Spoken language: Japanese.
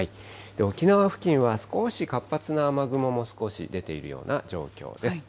沖縄付近は少し活発な雨雲も少し出ているような状況です。